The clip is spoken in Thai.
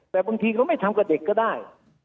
แต่บางทีเขาไม่ทำกับเด็กก็ได้